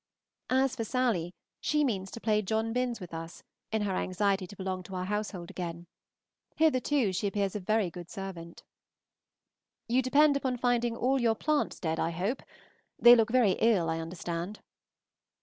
As for Sally, she means to play John Binns with us, in her anxiety to belong to our household again. Hitherto she appears a very good servant. You depend upon finding all your plants dead, I hope. They look very ill, I understand.